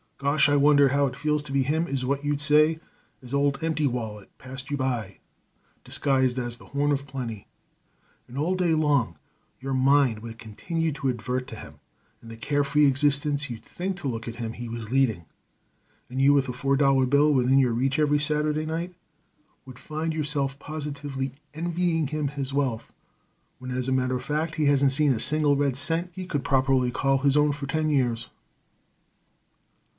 'Gosh! I wonder how it feels to be him', is what you'd say as old Empty Wallet passed you by disguised as the Horn of Plenty, and all day long your mind would continue to advert to him and the carefree existence you'd think to look at him he was leading; and you, with a four dollar bill within your reach every Saturday night, would find yourself positively envying him his wealth, when, as a matter of fact, he hasn't seen a single red cent he could properly call his own for ten years."